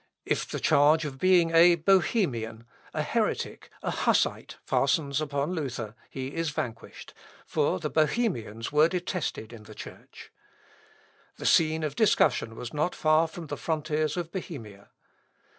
If the charge of being a Bohemian, a heretic, a Hussite fastens upon Luther, he is vanquished, for the Bohemians were detested in the Church. The scene of discussion was not far from the frontiers of Bohemia.